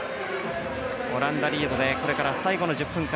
オランダリードでこれから最後の１０分間